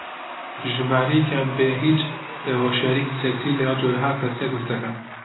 ژمارەیەکیان بێ هیچ هۆشیارییەکی سێکسی لەگەڵ جۆرەها کەس سێکس دەکەن